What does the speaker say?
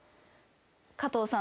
加藤さん